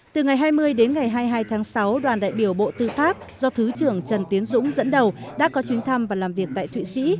từ ngày hai mươi đến ngày hai mươi hai tháng sáu đoàn đại biểu bộ tư pháp do thứ trưởng trần tiến dũng dẫn đầu đã có chuyến thăm và làm việc tại thụy sĩ